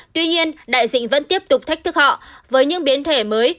tuy nhiên đại dịch vẫn tiếp tục thách thức họ với những biến thể mới